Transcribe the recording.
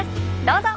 どうぞ！